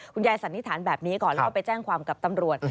สันนิษฐานแบบนี้ก่อนแล้วก็ไปแจ้งความกับตำรวจ